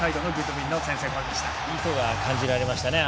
意図が感じられましたね。